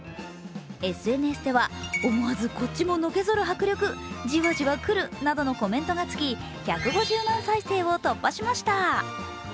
ＳＮＳでは思わずこっちものけぞる迫力、ジワジワくるなどのコメントがつき１５０万再生を突破しました。